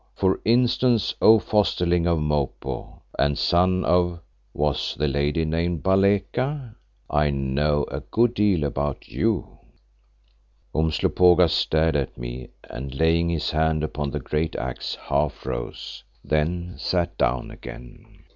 For instance, O fosterling of Mopo and son of—was the lady named Baleka?—I know a good deal about you." Umslopogaas stared at me and laying his hand upon the great axe, half rose. Then he sat down again.